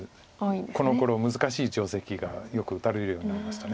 この頃難しい定石がよく打たれるようになりました。